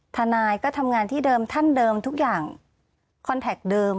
ทนายก็ทำงานที่เดิมท่านเดิมทุกอย่างคอนแท็กเดิม